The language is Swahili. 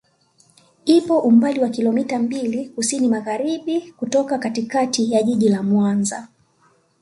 Ipo umbali wa kilomita mbili kusini magharibi kutoka katikati ya jiji la Mwanza